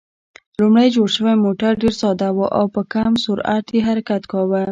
لومړی جوړ شوی موټر ډېر ساده و او په کم سرعت یې حرکت کاوه.